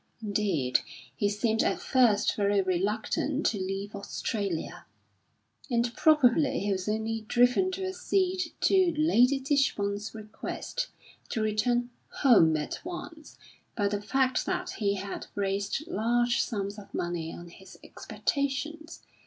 Indeed he seemed at first very reluctant to leave Australia, and probably he was only driven to accede to Lady Tichborne's request, to return "home" at once, by the fact that he had raised large sums of money on his expectations.